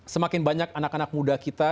semakin banyak anak anak muda kita